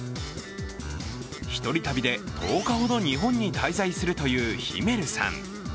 １人旅で１０日ほど日本に滞在するというヒメルさん。